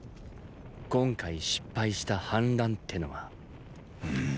今回失敗した反乱ってのが。